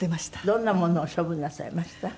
どんなものを処分なさいました？